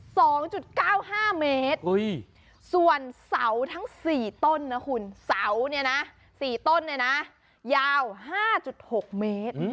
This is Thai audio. สองจุดเก้าห้าเมตรอุ้ยส่วนเสาทั้งสี่ต้นนะคุณเสาเนี่ยนะสี่ต้นเนี่ยนะยาวห้าจุดหกเมตร